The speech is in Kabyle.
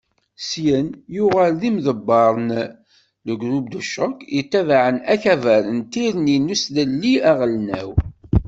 Syin, yuɣal d imḍebber n "Le groupe de choc" yettabaɛen akabar n Tirni n uslelli aɣelnaw.